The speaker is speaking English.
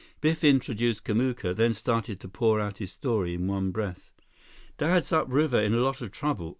Biff introduced Kamuka, then started to pour out his story in one breath: "Dad's upriver in a lot of trouble.